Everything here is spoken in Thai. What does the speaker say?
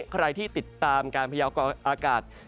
ใครที่ติดตามการพยากรอากาศ